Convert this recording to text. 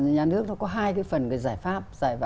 nhà nước nó có hai cái phần giải pháp